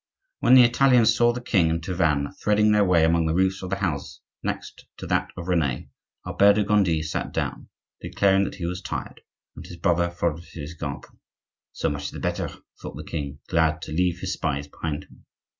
When the Italians saw the king and Tavannes threading their way among the roofs of the house next to that of Rene, Albert de Gondi sat down, declaring that he was tired, and his brother followed his example. "So much the better," thought the king, glad to leave his spies behind him.